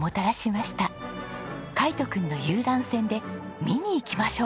海斗君の遊覧船で見に行きましょう。